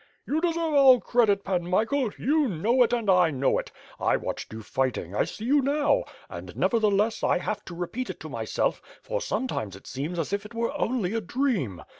"You deserve all credit. Pan Michael; you know it and I know it. I watched you fighting, I see you now — and, never theless, I have to repeat it to myself, for sometimes it seems as if it were only a dream.